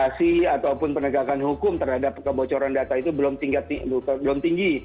ataupun penegakan hukum terhadap kebocoran data itu belum tinggi